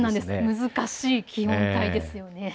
難しい気温帯ですよね。